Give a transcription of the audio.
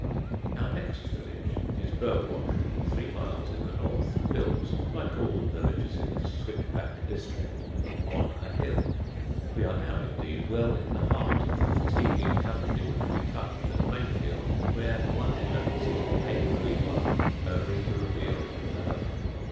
Our next village is Burwash, three miles in the north, built, like all the villages in this switchback district, on a hill. We are now, indeed, well in the heart of the fatiguing country which we touched at Mayfield, where one eminence is painfully won only to reveal another.